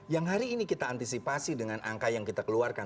yang hari ini kita antisipasi dengan angka yang kita keluarkan